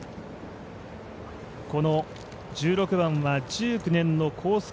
この１６番は１９年のコース